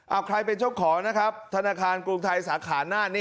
เอาใครเป็นเจ้าของนะครับธนาคารกรุงไทยสาขาน่านนี่